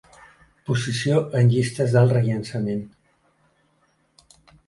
Posició en llistes del rellançament.